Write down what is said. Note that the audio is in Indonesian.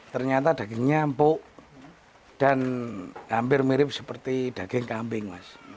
ternyata dagingnya empuk dan hampir mirip seperti daging kambing mas